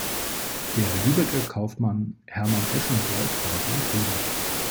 Der Lübecker Kaufmann Hermann Eschenburg war sein Bruder.